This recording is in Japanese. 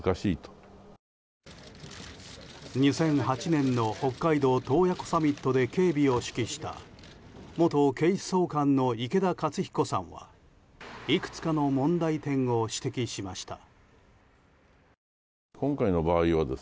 ２００８年の北海道洞爺湖サミットで警備を指揮した元警視総監の池田克彦さんはいくつかの問題点を指摘しました。